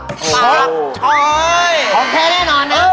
ของแพ้แน่นอนนะ